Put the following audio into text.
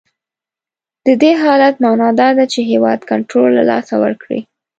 د دې حالت معنا دا ده چې هیواد کنټرول له لاسه ورکړی.